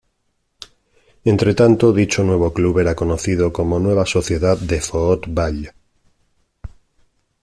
Entretanto, dicho nuevo club era conocido como Nueva Sociedad de Foot-ball.